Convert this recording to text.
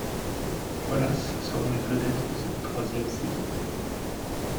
Wallace seront les vedettes de cette troisième saison.